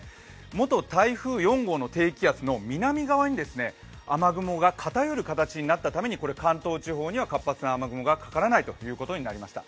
元台風４号の台風の南側に、雨雲が偏る形になったために関東地方には活発な雨雲がかからないという予報になりました。